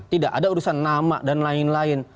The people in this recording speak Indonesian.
tidak ada urusan nama dan lain lain